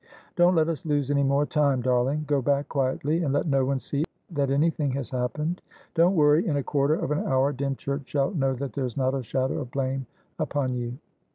Don't let us lose any more time, darling. Go back quietly, and let no one see that anything has happened. Don't worry; in a quarter of an hour, Dymchurch shall know that there's not a shadow of blame upon you."